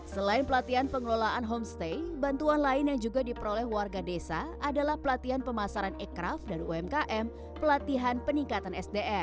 selain pelatihan pengelolaan homestay bantuan lain yang juga diperoleh warga desa adalah pelatihan pemasaran ekraf dan umkm pelatihan peningkatan sdm